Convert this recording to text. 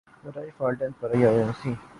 ذریعہ فالٹن پریبن یوایساے